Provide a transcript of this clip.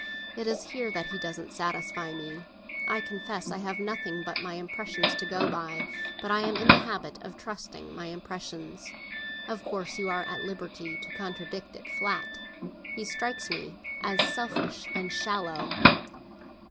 It is there that he doesn't satisfy me. I confess I have nothing but my impression to go by; but I am in the habit of trusting my impression. Of course you are at liberty to contradict it flat. He strikes me as selfish and shallow."